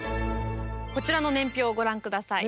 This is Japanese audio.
こちらの年表をご覧下さい。